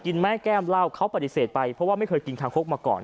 แม่แก้มเหล้าเขาปฏิเสธไปเพราะว่าไม่เคยกินคางคกมาก่อน